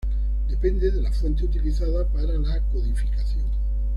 Depende de la fuente utilizada para la codificación.